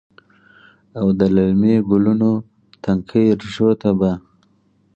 او د للمې ګلونو، تنکۍ ریښو ته به،